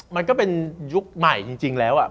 มันก็เป็นยุคใหม่จริงแล้ว